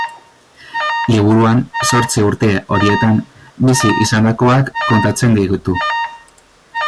Liburuan zortzi urte horietan bizi izandakoak kontatzen ditu.